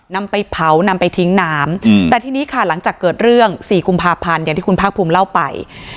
นำไปเผานำไปทิ้งน้ำแต่ทีนี้ค่ะหลังจากเกิดเรื่องสี่กุมภาพันธ์อย่างที่คุณภาคภูมิเล่าไป